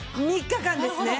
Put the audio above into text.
３日間ですね。